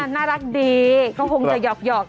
น่ารักดีก็คงจะหยอกกันแหละ